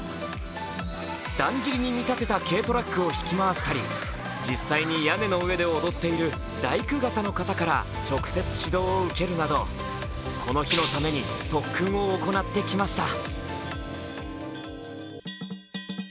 だんじりに見立てた軽トラックを引き回したり実際に屋根の上で踊っている大工方の方から直接指導を受けるなど、この日のために特訓を行ってきました。